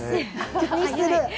気にする？